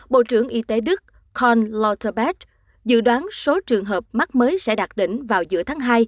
bộ trưởng y tế đức kon lauterbeth dự đoán số trường hợp mắc mới sẽ đạt đỉnh vào giữa tháng hai